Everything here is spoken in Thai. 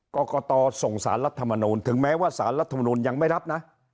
กรกตส่งสารรัฐมนูลถึงแม้ว่าสารรัฐมนุนยังไม่รับนะ